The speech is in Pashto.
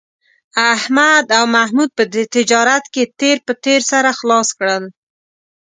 احمد او محمود په تجارت کې تېر په تېر سره خلاص کړل